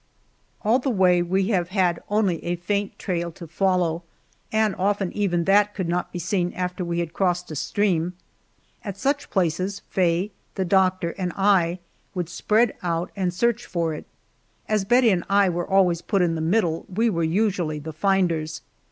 All the way we have had only a faint trail to follow, and often even that could not be seen after we had crossed a stream. At such places Faye, the doctor, and I would spread out and search for it. As Bettie and I were always put in the middle, we were usually the finders.